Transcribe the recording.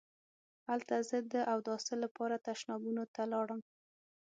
هلته زه د اوداسه لپاره تشنابونو ته لاړم.